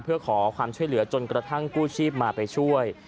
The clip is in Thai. เพื่อขอความช่วยเหลือจนกระทั่งกู้ชีพมาไปช่วย